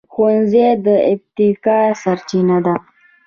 ښوونځی د ابتکار سرچینه ده